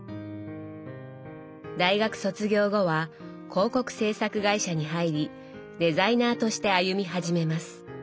大学卒業後は広告制作会社に入りデザイナーとして歩み始めます。